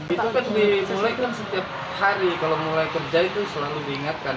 itu kan dimulai kan setiap hari kalau mulai kerja itu selalu diingatkan